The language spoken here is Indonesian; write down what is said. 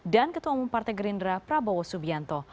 dan ketua umum partai gerindra prabowo subianto